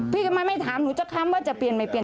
พี่ก็ไม่ถามหนูจะทำว่าจะเปลี่ยนไม่เปลี่ยน